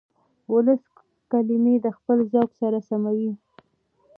ولس کلمې د خپل ذوق سره سموي.